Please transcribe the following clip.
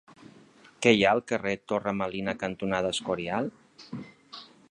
Què hi ha al carrer Torre Melina cantonada Escorial?